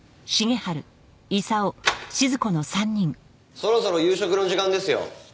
そろそろ夕食の時間ですよ。